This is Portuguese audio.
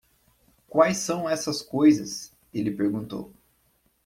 "Quais são essas coisas?", ele perguntou.